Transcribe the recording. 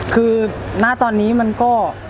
คือภาระตอนนี้มันก็